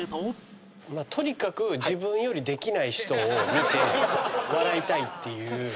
とにかく自分よりできない人を見て笑いたいっていう。